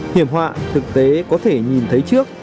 hiểm họa thực tế có thể nhìn thấy trước